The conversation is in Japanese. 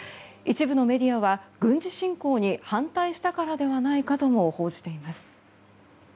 一部のメディアは軍事侵攻に反対したからではないかとも報じています。